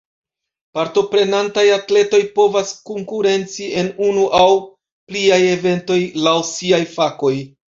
Partoprenantaj atletoj povas konkurenci en unu aŭ pliaj eventoj, laŭ siaj fakoj.